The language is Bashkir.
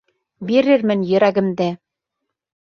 Бирермен йөрәгемде.